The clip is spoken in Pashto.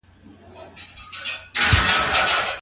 مېلمه ته زړه ډوډۍ نه ورکول کېږي.